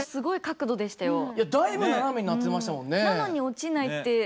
いやだいぶ斜めになってましたもんね。